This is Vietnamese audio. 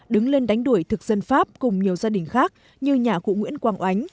đứng lên đánh đuổi thực dân pháp cùng nhiều gia đình khác như nhà cụ nguyễn quang oánh